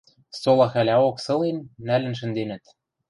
Сола хӓлӓок сылен, нӓлӹн шӹнденӹт.